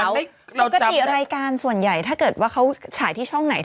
ปกติรายการส่วนใหญ่ถ้าเกิดว่าเขาฉายที่ช่องไหน